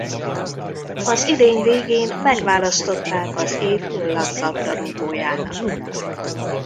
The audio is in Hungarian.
Az idény végén megválasztották az év holland labdarúgójának.